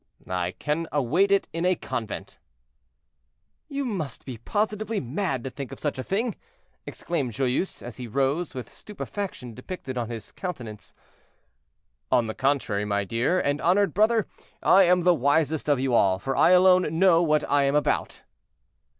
"I can await it in a convent." "You must positively be mad to think of such a thing." exclaimed Joyeuse, as he rose, with stupefaction depicted on his countenance. "On the contrary, my dear and honored brother, I am the wisest of you all, for I alone know what I am about."'